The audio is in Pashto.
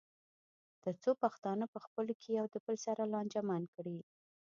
تر څو پښتانه پخپلو کې د یو بل سره لانجمن کړي.